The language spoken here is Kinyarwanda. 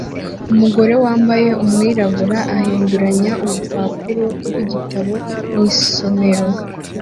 Umugore wambaye umwirabura ahinduranya urupapuro rwigitabo mu isomero